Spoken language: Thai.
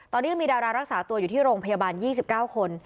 ตอนนี้ยังมีดารารักษาตัวอยู่ที่โรงพยาบาล๒๙คน